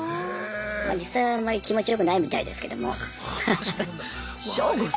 実際はあんまり気持ちよくないみたいですけども。